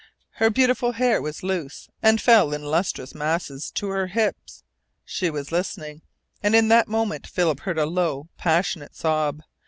Her beautiful hair was loose, and fell in lustrous masses to her hips. She was listening. And in that moment Philip heard a low, passionate sob.